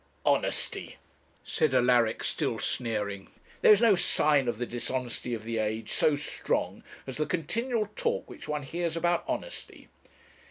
'Honesty!' said Alaric, still sneering; 'there is no sign of the dishonesty of the age so strong as the continual talk which one hears about honesty!'